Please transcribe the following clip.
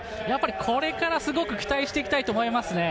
これからすごく期待していきたいと思いますね。